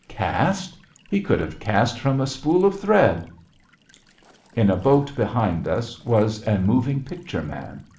Cast? He could have cast from a spool of thread." In a boat behind us was a moving picture man.